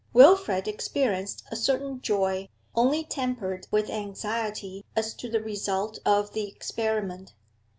Wilfrid experienced a certain joy, only tempered with anxiety as to the result of the experiment.